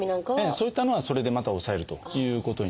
そういったのはそれでまた抑えるということになりますね。